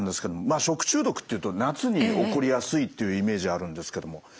まあ食中毒っていうと夏に起こりやすいっていうイメージがあるんですけども。